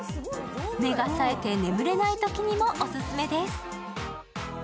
目が冴えて眠れないときにもオススメです。